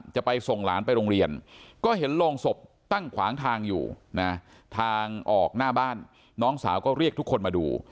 จะไปส่งหลานไปโรงเรียนก็เห็นโรงศพตั้งขวางทางอยู่นะทางออกหน้าบ้านน้องสาวก็เรียกทุกคนมาดู